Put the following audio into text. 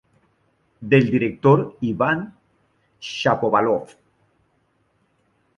Del director Ivan Shapovalov.